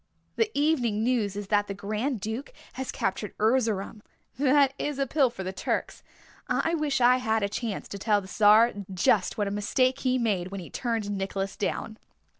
The evening news is that the Grand Duke has captured Erzerum. That is a pill for the Turks. I wish I had a chance to tell the Czar just what a mistake he made when he turned Nicholas down."